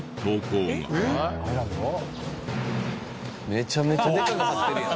めちゃめちゃでっかく貼ってるやん。